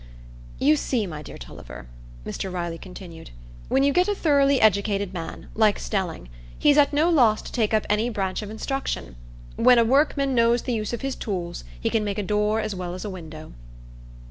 "You see, my dear Tulliver," Mr Riley continued, "when you get a thoroughly educated man, like Stelling, he's at no loss to take up any branch of instruction. When a workman knows the use of his tools, he can make a door as well as a window."